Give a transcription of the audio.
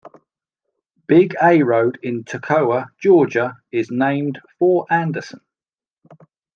Big A Road in Toccoa, Georgia is named for Anderson.